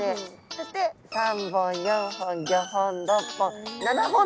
そして３本４本５本６本７本とあります。